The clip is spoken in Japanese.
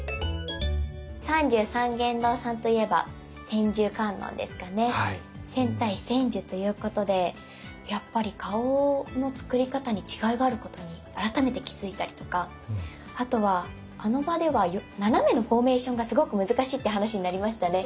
千体千手ということでやっぱり顔の造り方に違いがあることに改めて気付いたりとかあとはあの場では斜めのフォーメーションがすごく難しいって話になりましたね。